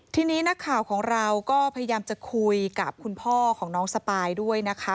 ทีนี้นักข่าวของเราก็พยายามจะคุยกับคุณพ่อของน้องสปายด้วยนะคะ